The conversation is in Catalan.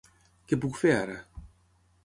què puc fer ara?